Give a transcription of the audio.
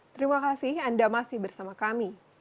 terima kasih anda masih bersama kami